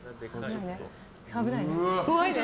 危ないね。